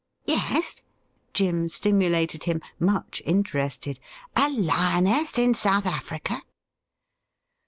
' Yes,' Jim stimulated him, much interested, ' a lioness in South Africa